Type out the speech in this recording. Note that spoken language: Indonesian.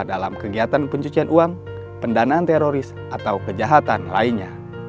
dalam kegiatan pencucian uang pendanaan teroris atau kejahatan lainnya